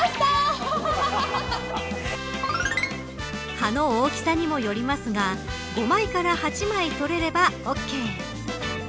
葉の大きさにもよりますが５枚から８枚取れればオーケー。